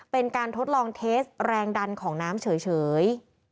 เป็นการทดลองเทสแรงดันของน้ำเฉย